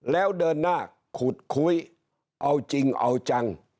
แล้วเดินหน้าขุดคุยเอาจริงเอาจัง